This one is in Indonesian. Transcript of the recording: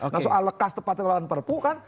nah soal lekas tepat mengeluarkan perpu kan